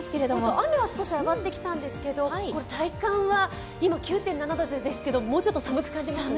雨は少し上がってきたんですけど、体感は、今９．７度ですが、もうちょっと寒く感じますね。